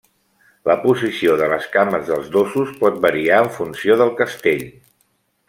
La posició de les cames dels dosos pot variar en funció del castell.